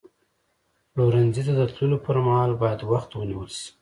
پلورنځي ته د تللو پر مهال باید وخت ونیول شي.